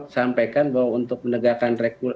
sampaikan bahwa untuk menegakkan